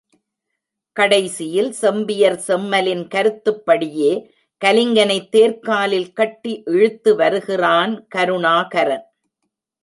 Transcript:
கடைசியில், செம்பியர் செம்மலின் கருத்துப்படியே கலிங்கனைத் தேர்க்காலில் கட்டி இழுத்துவருகிறான் கருணாகரன்.